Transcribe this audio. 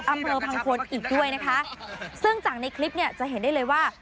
อำเภอพังพลอีกด้วยนะคะซึ่งจากในคลิปเนี่ยจะเห็นได้เลยว่า